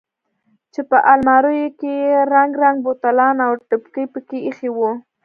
چې په الماريو کښې يې رنګ رنګ بوتلان او ډبکې پکښې ايښي وو.